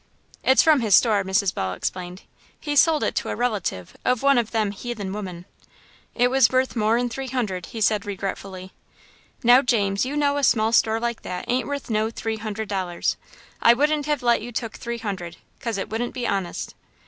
"It's from his store," Mrs. Ball explained. "He sold it to a relative of one of them heathen women." "It was worth more'n three hundred," he said regretfully. "Now, James, you know a small store like that ain't worth no three hundred dollars. I wouldn't have let you took three hundred, 'cause it wouldn't be honest."